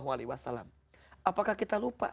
apakah kita lupa